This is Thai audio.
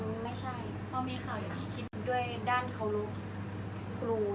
อันไหนที่มันไม่จริงแล้วอาจารย์อยากพูด